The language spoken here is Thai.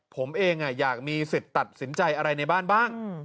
ผมเองอยากมีสิทธิ์ตัดสินใจอะไรในบ้านบ้าง